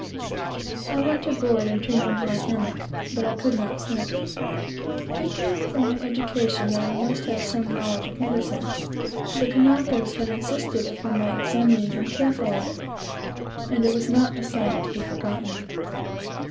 I went aboard and turned into my hammock, but I could not sleep. Thinking, from my education, that I must have some knowledge of medicine, the Kanakas had insisted upon my examining him carefully; and it was not a sight to be forgotten.